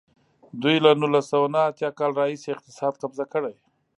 دوی له نولس سوه نهه اتیا کال راهیسې اقتصاد قبضه کړی.